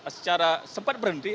secara sempat berhenti